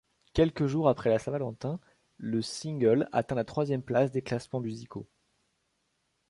Quelques jours après la Saint-Valentin, le single atteint la troisième place des classements musicaux.